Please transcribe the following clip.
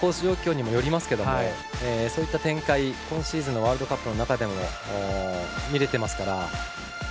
状況にもよりますけれどもそういった展開、今シーズンのワールドカップの中でも見れてますから。